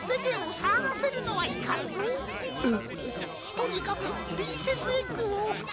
とにかくプリンセスエッグを。